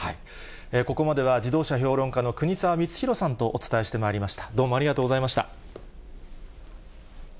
ここまでは自動車評論家の国沢光宏さんとお伝えしてまいりました。